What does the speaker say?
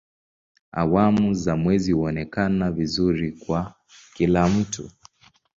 Awamu za mwezi huonekana vizuri kwa kila mtu.